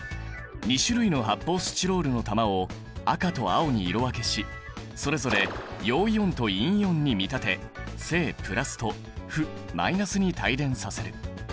２種類の発泡スチロールの玉を赤と青に色分けしそれぞれ陽イオンと陰イオンに見立て正・プラスと負・マイナスに帯電させる。